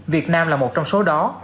việt nam là một trong số đó